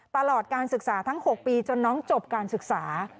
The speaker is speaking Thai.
ตลอดการศึกษาทั้ง๖ปีจนน้องจบการศึกษา